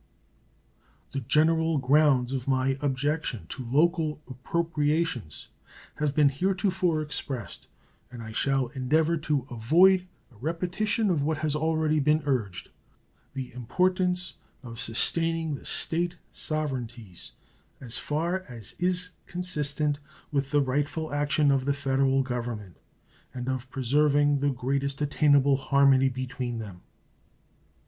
The general grounds of my objection to local appropriations have been heretofore expressed, and I shall endeavor to avoid a repetition of what has been already urged the importance of sustaining the State sovereignties as far as is consistent with the rightful action of the Federal Government, and of preserving the greatest attainable harmony between them.